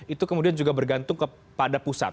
itu kemudian juga bergantung kepada pusat